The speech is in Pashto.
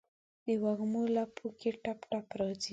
دوږمو لپو کې ټپ، ټپ راځي